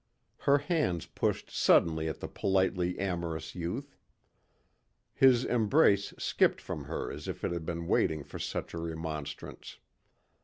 Her hands pushed suddenly at the politely amorous youth. His embrace skipped from her as if it had been waiting for such a remonstrance.